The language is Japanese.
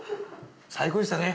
最高でしたね。